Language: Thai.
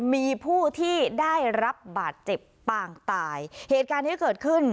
มีผู้ที่ได้รับบาดเจ็บปางตายเหตุการณ์นี้เกิดขึ้น